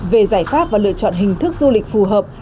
về giải pháp và lựa chọn hình thức du lịch phù hợp